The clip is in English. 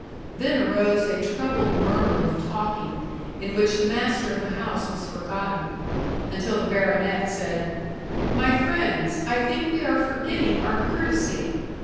Then arose a troubled murmur of talking, in which the master of the house was forgotten; until the baronet said, "My friends, I think we are forgetting our courtesy.